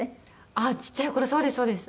ああちっちゃい頃そうですそうです。